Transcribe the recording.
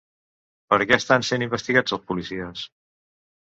Per què estan sent investigats els policies?